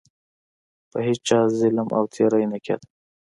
په هیچا ظلم او تیری نه کېده.